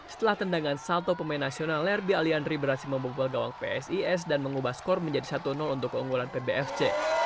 setelah tendangan salto pemain nasional lerby alianri berhasil membobol gawang psis dan mengubah skor menjadi satu untuk keunggulan pbfc